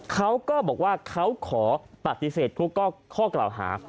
เขาก็บอกว่าเขาขอปฏิเสธทุกข้อกล่าวหา